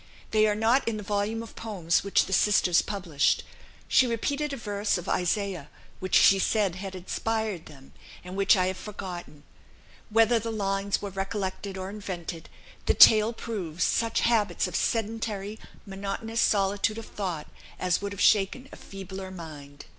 They are not in the volume of poems which the sisters published. She repeated a verse of Isaiah, which she said had inspired them, and which I have forgotten. Whether the lines were recollected or invented, the tale proves such habits of sedentary, monotonous solitude of thought as would have shaken a feebler mind."